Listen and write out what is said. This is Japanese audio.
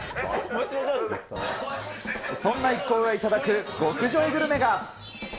そんな一行が頂く、極上グルメが。